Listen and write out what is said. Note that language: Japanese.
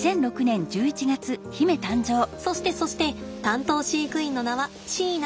そしてそして担当飼育員の名は椎名。